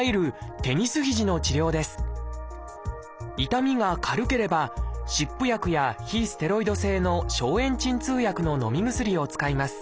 痛みが軽ければ湿布薬や非ステロイド性の消炎鎮痛薬ののみ薬を使います。